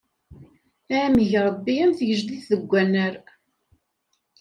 Ad am-ig Ṛebbi am tgejdit deg unnar!